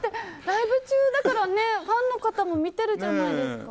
ライブ中だからファンの方も見てるじゃないですか。